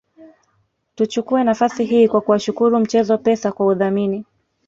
Tuchukue nafasi hii kwa kuwashukuru mchezo Pesa kwa udhamini